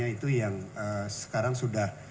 itu yang sekarang sudah